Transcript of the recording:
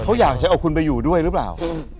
เขาอยากจะเอาคุณไปอยู่ด้วยหรือเปล่า